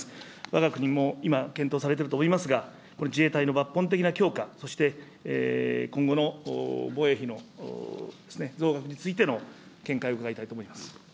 わが国も今、検討されていると思いますが、この自衛隊の抜本的な強化、そして今後の防衛費の増額についての見解を伺いたいと思います。